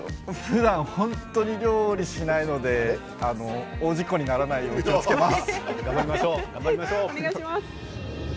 本当にお料理をしないので大事故にならないよう気をつけます。